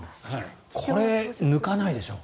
これ、抜かないでしょ。